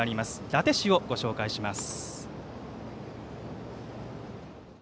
伊達市をご紹介します。